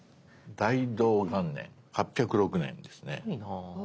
大同元年８０６年ですね。